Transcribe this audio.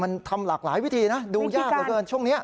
มันทำหลากหลายวิธีนะดูยากเหลือเกินช่วงนี้